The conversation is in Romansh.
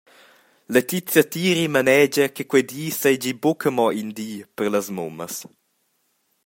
Letizia Tiri manegia che quei di seigi buca mo in di per las mummas.